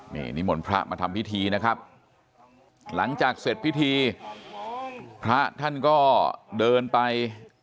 นี่นิมนต์พระมาทำพิธีนะครับหลังจากเสร็จพิธีพระท่านก็เดินไป